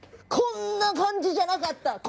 「こんな感じじゃなかった！